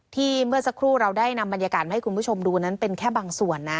เมื่อสักครู่เราได้นำบรรยากาศมาให้คุณผู้ชมดูนั้นเป็นแค่บางส่วนนะ